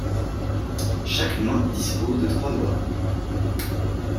Chaque main dispose de trois doigts.